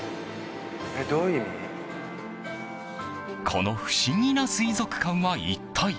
この不思議な水族館は一体？